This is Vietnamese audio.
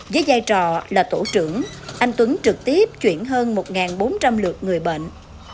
với giai trò là tổ trưởng anh tuấn trực tiếp chuyển hơn một bốn trăm linh lượt người bệnh